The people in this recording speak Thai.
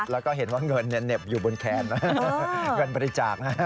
แล้วก็เห็นว่าเงินเหน็บอยู่บนแคนเงินบริจาคนะ